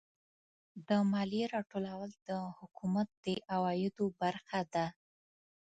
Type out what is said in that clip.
د مالیې راټولول د حکومت د عوایدو برخه ده.